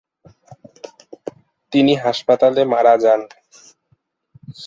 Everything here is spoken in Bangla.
তিনি হাসপাতালে মারা যান।